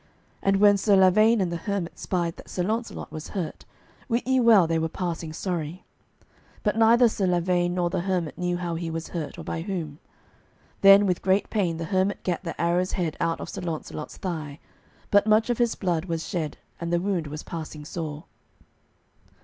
And when Sir Lavaine and the hermit spied that Sir Launcelot was hurt, wit ye well they were passing sorry; but neither Sir Lavaine nor the hermit knew how he was hurt, or by whom. Then with great pain the hermit gat the arrow's head out of Sir Launcelot's thigh, but much of his blood was shed, and the wound was passing sore.